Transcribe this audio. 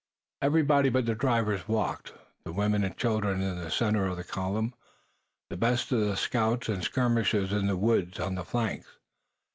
Everybody but the drivers walked, the women and children in the center of the column, the best of the scouts and skirmishers in the woods on the flanks.